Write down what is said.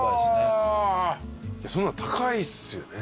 そんなん高いっすよね？